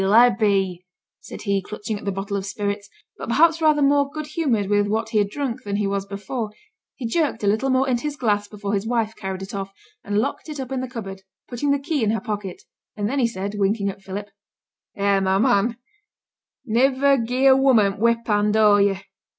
Let a' be,' said he, clutching at the bottle of spirits, but perhaps rather more good humoured with what he had drunk than he was before; he jerked a little more into his glass before his wife carried it off, and locked it up in the cupboard, putting the key in her pocket, and then he said, winking at Philip 'Eh! my man. Niver gie a woman t' whip hand o'er yo'!